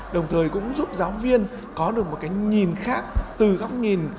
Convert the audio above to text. đồng thời cũng giúp giáo viên có được một cái nhìn khác từ góc nhìn